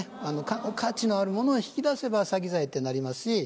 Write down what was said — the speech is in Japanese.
価値のあるものを引き出せば詐欺罪ってなりますし。